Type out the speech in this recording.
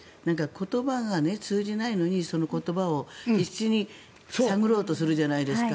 言葉が通じないのにその言葉を必死に探ろうとするじゃないですか。